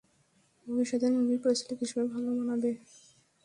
ভবিষ্যতের মুভির পরিচালক হিসেবে ভালো মানাবে।